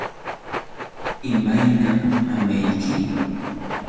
¿Imaynam mamayki?